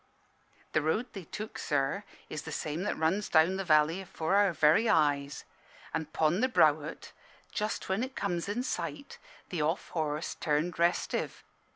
"The road they took, sir, is the same that runs down the valley afore our very eyes. An' 'pon the brow o't, just when it comes in sight, the off horse turned restive.